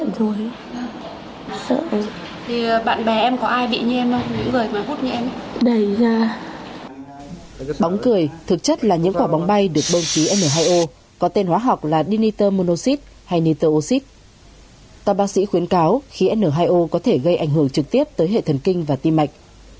toàn bác sĩ khuyến cáo khí n hai o có thể gây ảnh hưởng trực tiếp tới hệ thần kinh và tim mạch